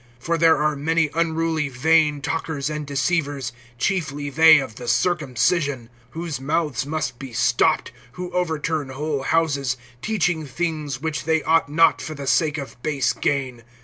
(10)For there are many unruly vain talkers and deceivers, chiefly they of the circumcision; (11)whose mouths must be stopped, who overturn whole houses, teaching things which they ought not, for the sake of base gain.